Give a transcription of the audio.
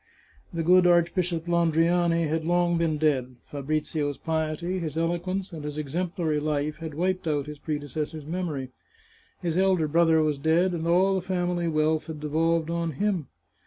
The good Archbishop Landriani had long been dead. Fabrizio's piety, his eloquence, and his exemplary life, had wiped out his predecessor's memory. His elder brother was dead, and all the family wealth had devolved on him.